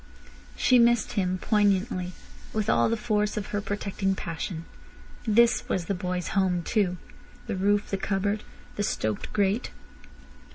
She missed him poignantly, with all the force of her protecting passion. This was the boy's home too—the roof, the cupboard, the stoked grate.